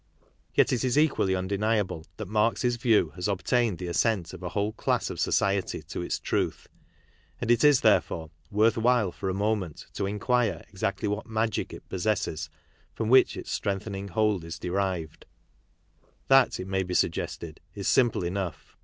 Yet it_is equallj_jjndeniable jdiat.31arxls_ view has obtamed~lTTe'^sentJ2la3vli)le_^ c>^^ _soclety__to ,its t£uA; and'TtIs, therefore, worth while for a moment to inquire exactly what magic it possesses from which its strengthening hold is derived. That, it may be sug gested, is simple enough.